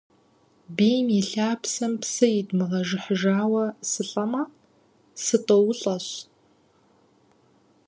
Бийм и лъапсэм псы идмыгъэжыхьыжауэ сылӀэмэ, сытӀоулӀэщ.